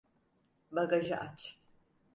Bagajı aç!